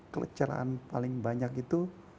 kelecehan paling banyak itu